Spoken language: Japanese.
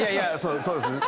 そうですね。